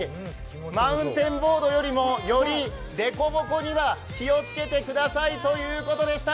マウンテンボードよりも、よりでこぼこには気をつけてくださいということでした。